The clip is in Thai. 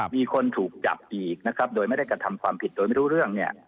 มีคนถูกจับอีกนะครับโดยไม่ได้กระทำความผิดโดยไม่รู้เรื่องเนี่ย